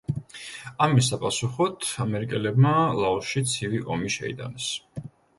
ამის საპასუხოდ, ამერიკელებმა ლაოსში ცივი ომი შეიტანეს.